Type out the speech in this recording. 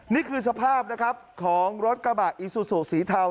นี่คือสภาพของรถกระบะอิสุสุศีเทา